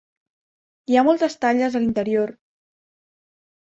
Hi ha moltes talles a l'interior.